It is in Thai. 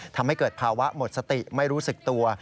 ทำให้เกิดภาวะหมดสติไม่รู้สึกตัว